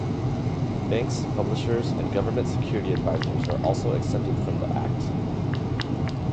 Banks, publishers, and government security advisers are also excepted from the act.